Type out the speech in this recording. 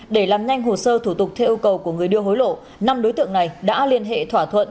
để làm nhanh hồ sơ thủ tục theo yêu cầu của người đưa hối lộ năm đối tượng này đã liên hệ thỏa thuận